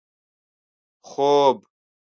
خوب